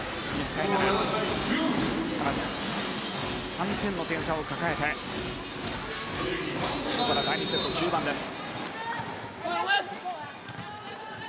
３点の点差を抱えてまもなく第２セット中盤です。